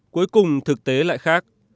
cuối cùng thực tế lại khác